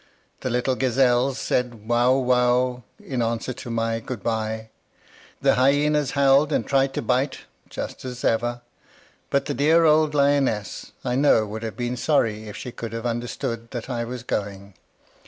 The little gazelles said, "Wow! wow!" in answer to my "Good bye"; the hyenas howled and tried to bite, just as much as ever; but the dear old lioness I know would have been sorry if she could have understood that I was going.